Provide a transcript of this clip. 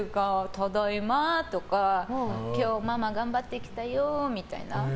ただいまとか今日ママ頑張ってきたよみたいな。